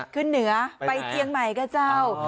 ขึ้นเหนือไปเจียงใหม่ก็เจ้า